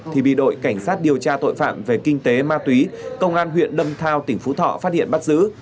thì bị đội cảnh sát điều tra tội phạm về kinh tế ma túy công an huyện đâm thao tỉnh phú thọ phát hiện bắt giữ